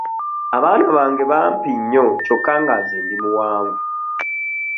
Abaana bange bampi nnyo kyokka nga nze ndi muwanvu.